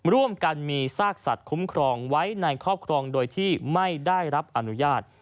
ร่วมกันมีซากสัตว์คุ้มครองไว้ในครอบครองโดยที่ไม่ได้รับอนุญาต